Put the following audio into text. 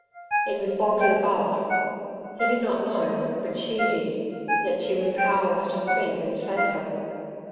It was bolted above; he did not know, but she did, yet she was powerless to speak and say so.